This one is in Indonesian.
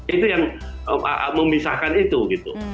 itu yang memisahkan itu gitu